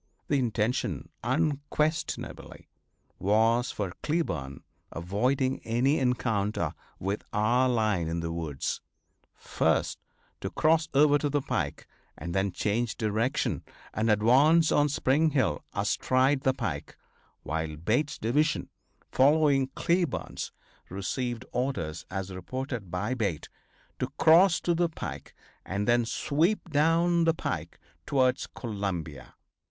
The intention unquestionably was for Cleburne, avoiding any encounter with our line in the woods, first to cross over to the pike and then change direction and advance on Spring Hill astride the pike, while Bate's division, following Cleburne's, received orders as reported by Bate, to cross to the pike and then sweep down the pike towards Columbia.